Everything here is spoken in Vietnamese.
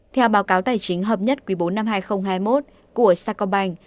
theo báo cáo tài chính hợp nhất quý bốn năm hai nghìn hai mươi một của sacombank